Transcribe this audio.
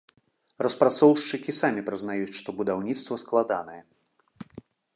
Распрацоўшчыкі самі прызнаюць, што будаўніцтва складанае.